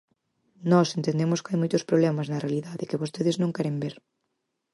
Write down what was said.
Nós entendemos que hai moitos problemas na realidade que vostedes non queren ver.